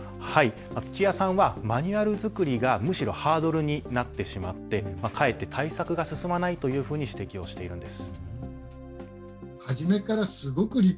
土屋さんはマニュアル作りがむしろハードルになってしまってかえって対策が進まないというふうに指摘をしているんです。